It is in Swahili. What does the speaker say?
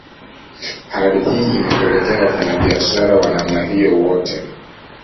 Hali hii imepelekea Wafanyabiashara wa namna hiyo wote